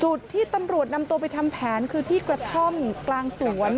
จุดที่ตำรวจนำตัวไปทำแผนคือที่กระท่อมกลางสวน